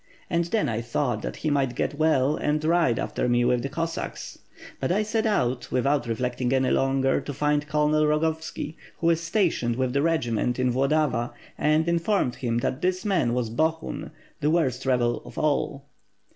And then I thought that he might get well and ride after me with the Cossacks. But I set out, without reflecting any longer, to find Colonel Rogovski, who is stationed with the regiment in Vlodava and informed him that this man was Bohun, the worst rebel of all.